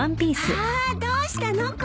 うわどうしたの？